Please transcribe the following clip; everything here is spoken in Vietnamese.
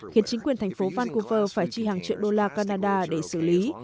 khiến chính quyền thành phố vancouver phải chi hàng triệu đô la canada để xử lý